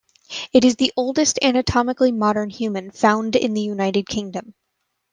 It is the oldest anatomically modern human found in the United Kingdom.